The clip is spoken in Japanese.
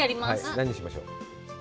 何しましょう？